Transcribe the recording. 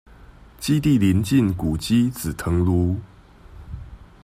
基地鄰近古蹟「紫藤廬」